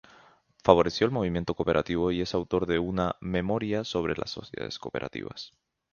Favoreció el movimiento cooperativo y es autor de una "Memoria sobre las sociedades cooperativas".